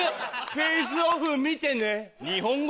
『フェイス／オフ』見てね。